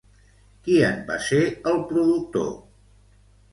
Qui en va ser el productor?